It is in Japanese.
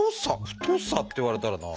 太さって言われたらな。